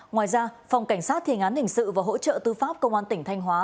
ngoài ra phòng cảnh sát thiên án hình sự và hỗ trợ tư pháp công an tỉnh thanh hóa